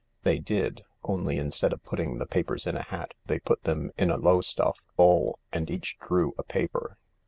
They did — only instead of putting the papers in a hat they put them in a Lowestoft bowl, and each drew a paper.